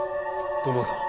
土門さん。